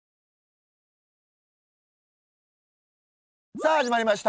さあ始まりました。